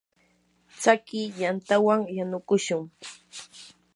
tsakiy yantawan yanukushun.